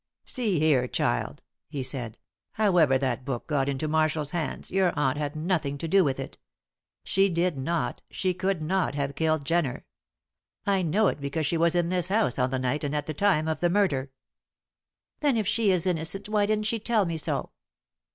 "See here, child," he said, "however that book got into Marshall's hands your aunt had nothing to do with it. She did not she could not have killed Jenner. I know it because she was in this house on the night and at the time of the murder." "Then if she is innocent why didn't she tell me so?"